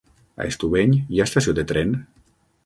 A Estubeny hi ha estació de tren?